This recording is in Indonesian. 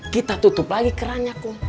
kita tutup lagi kerannya cuk